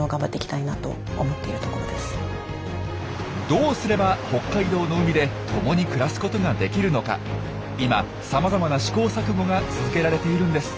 どうすれば北海道の海で共に暮らすことができるのか今さまざまな試行錯誤が続けられているんです。